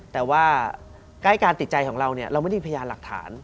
แต่ว่าใกล้การติดใจของเราเราไม่มีพยานหลักฐาน